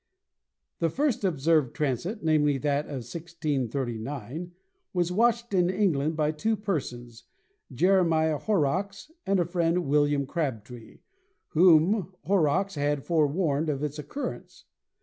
The first observed transit, namely, that of 1639, was watched in England by two persons, Jeremiah Horrocks and a friend, William Crabtree, whom Horrocks had fore warned of its occurrence.